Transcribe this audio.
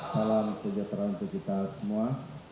salam sejahtera untuk kita semua